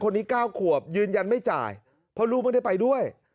คนนี้เก้าขวบยืนยันไม่จ่ายเพราะรู้ไม่ได้ไปด้วย